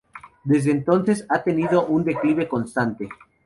Desde entonces ha tenido un declive constante.